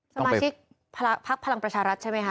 สมาชิกพักพลังประชารัฐใช่ไหมคะ